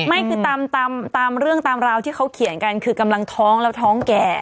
ไม่คือตามเรื่องตามราวที่เขาเขียนกันคือกำลังท้องแล้วท้องแก่